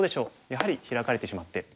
やはりヒラかれてしまって。